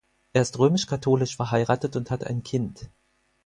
Er ist römisch-katholisch, verheiratet und hat ein Kind.